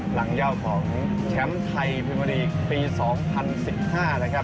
เย่าของแชมป์ไทยพิมรีกปี๒๐๑๕นะครับ